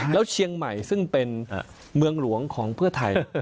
แล้วเชียงใหม่ซึ่งเป็นเมืองหลวงของเพื่อไทย